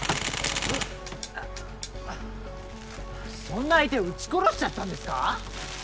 そんな相手を撃ち殺しちゃったんですか？